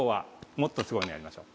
もっとすごいのやりましょう。